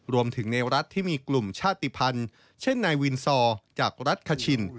รวมถึงในรัฐที่มีกลุ่มชาติภัณฑ์เช่นนายวินซอร์จากรัฐคชิน